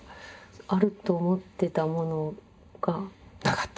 あると思ってたものが。なかった。